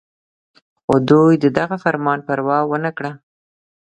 خو دوي د دغه فرمان پروا اونکړه